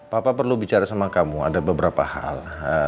papa perlu bicara sama kamu ada beberapa hal